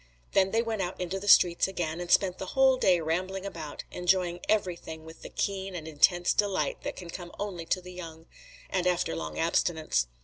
Then they went out into the streets again, and spent the whole day rambling about, enjoying everything with the keen and intense delight that can come only to the young, and after long abstinence.